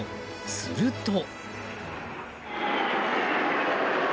すると。